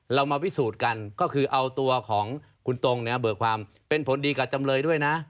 เรามาพิสูจน์กันก็คือเอาตัวของคุณตรงเนี่ยเบิกความเป็นผลดีกับจำเลยด้วยนะ